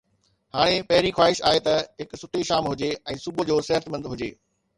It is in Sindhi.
هاڻي، پهرين خواهش آهي ته هڪ سٺي شام هجي ۽ صبح جو صحتمند هجي.